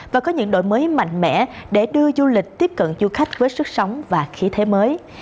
và có những đổi mới mạnh mẽ để đưa du lịch tiếp cận du khách với sức sống và khí thế mới